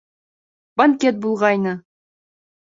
Банкет булғайны.